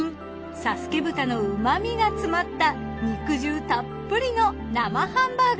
佐助豚の旨みが詰まった肉汁たっぷりの生ハンバーグです。